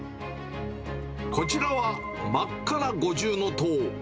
こちらは真っ赤な五重塔。